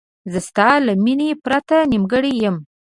زه ستا له مینې پرته نیمګړی یم.